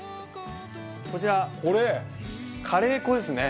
こちらカレー粉ですね。